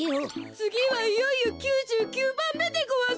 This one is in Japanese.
つぎはいよいよ９９ばんめでごわす。